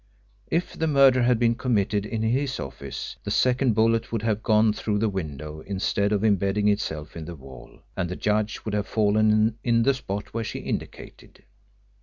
If the murder had been committed in his office the second bullet would have gone through the window instead of imbedding itself in the wall, and the judge would have fallen in the spot where she indicated.